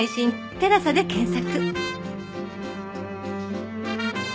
「テラサ」で検索！